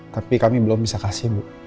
tapi kami belum bisa kasih bu